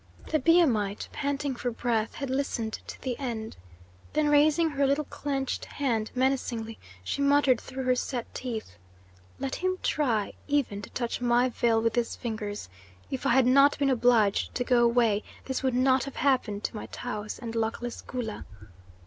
The Biamite, panting for breath, had listened to the end. Then, raising her little clinched hand menacingly, she muttered through her set teeth: "Let him try even to touch my veil with his fingers! If I had not been obliged to go away, this would not have happened to my Taus and luckless Gula."